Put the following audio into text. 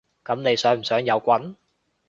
噉你想唔想有棍？